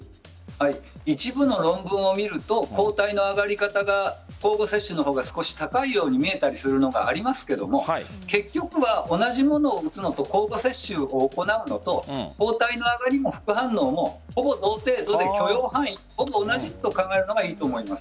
一部の論文を見ると抗体の上がり方が交互接種の方が少し高いように見えたりするのがありますが結局は同じものを打つのと交互接種を行うのと抗体の上がりも副反応もほぼ同程度で、許容範囲ほぼ同じと考えるのがいいと思います。